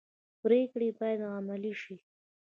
پریکړې باید عملي شي